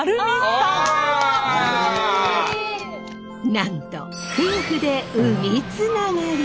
なんと夫婦で海つながり！